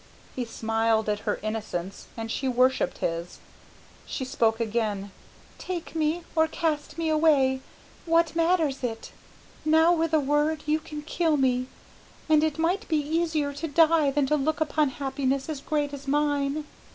He smiled at her innocence and she worshipped his. She spoke again: "Take me or cast me away; what matters it? Now with a word you can kill me, and it might be easier to die than to look upon happiness as great as mine."